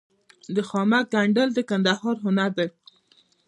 د خامک ګنډل د کندهار هنر دی.